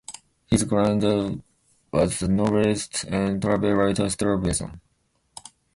His granddaughter was the novelist and travel writer Stella Benson.